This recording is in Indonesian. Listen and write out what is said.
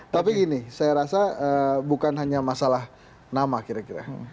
tapi gini saya rasa bukan hanya masalah nama kira kira